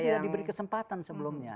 dan ini sudah diberi kesempatan sebelumnya